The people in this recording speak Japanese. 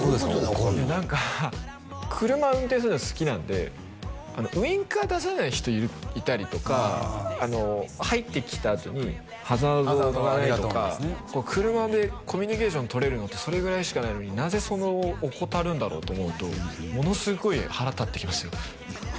怒るのなんか車運転するの好きなんでウインカー出さない人いたりとか入ってきたあとにハザードがないとか車でコミュニケーションとれるのってそれぐらいしかないのになぜその怠るんだろうと思うとものすごい腹立ってきますよ